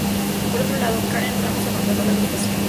Por otro lado, Karen Ramos abandonó la agrupación.